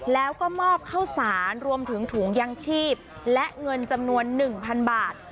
แล้วก็มอบข้าวสารรวมถึงถุงยังชีพและเงินจำนวน๑๐๐๐บาท